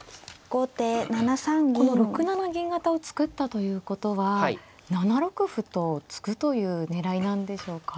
この６七銀型を作ったということは７六歩と突くという狙いなんでしょうか。